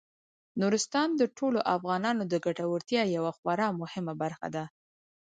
نورستان د ټولو افغانانو د ګټورتیا یوه خورا مهمه برخه ده.